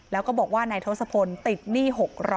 แล้วก็บอกว่านายทศพลติดหนี้๖๐๐